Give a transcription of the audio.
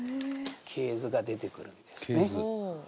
系図が出てくるんですね。